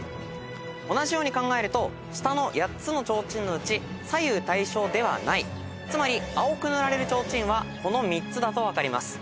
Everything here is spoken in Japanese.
同じように考えると下の８つの提灯のうち左右対称ではないつまり青く塗られる提灯はこの３つだと分かります。